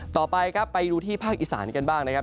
ต่อไปครับไปดูที่ภาคอีสานกันบ้างนะครับ